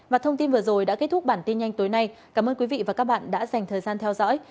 và thông tin vừa rồi đã kết thúc bản tin nhanh tối nay cảm ơn quý vị và các bạn đã dành thời gian theo dõi